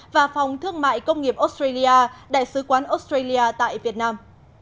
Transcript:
và phòng thương mại công nghiệp australia đại sứ quán australia tại việt nam